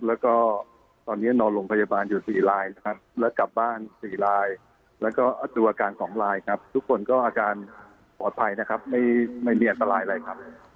แล้วก็ตอนนี้นอนโรงพยาบาลอยู่๔ลายนะครับแล้วกลับบ้าน๔ลายแล้วก็ดูอาการ๒ลายครับทุกคนก็อาการปลอดภัยนะครับไม่มีอันตรายอะไรครับ